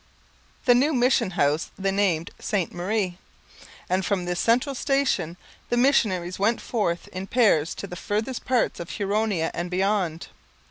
The new mission house they named Ste Marie; and from this central station the missionaries went forth in pairs to the farthest parts of Huronia and beyond.